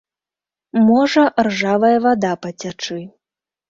Можа ржавая вада пацячы.